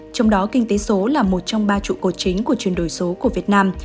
trong đó kinh tế số là một trong ba trụ cột chính của chuyển đổi số của việt nam